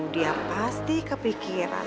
dia pasti kepikiran